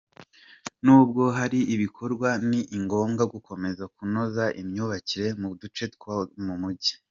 N’ubwo hari ibikorwa, ni ngombwa gukomeza kunoza imyubakira mu duce twose tw’umujyi.